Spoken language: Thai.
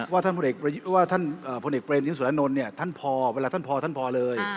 ท่านว่าท่านพลเอกเบรมสินสุรานนท์เนี่ยท่านพอเวลาท่านพอท่านพอเลย